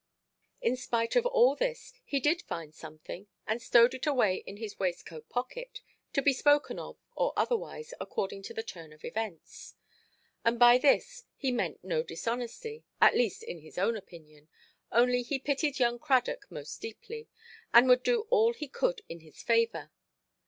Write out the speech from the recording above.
In spite of all this, he did find something, and stowed it away in his waistcoat pocket, to be spoken of, or otherwise, according to the turn of events. And by this he meant no dishonesty, at least in his own opinion, only he pitied young Cradock most deeply, and would do all he could in his favour.